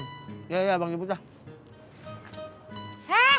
iya iya bang jeput ah